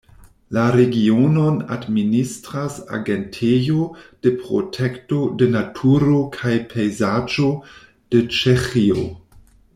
La regionon administras Agentejo de protekto de naturo kaj pejzaĝo de Ĉeĥio.